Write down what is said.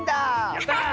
やった！